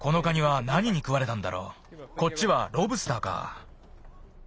こっちはロブスターか。